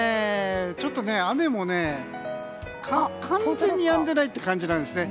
ちょっと雨も完全にやんでないという感じなんですね。